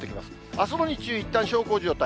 あすの日中、いったん小康状態。